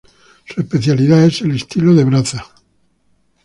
Su especialidad es el estilo de braza.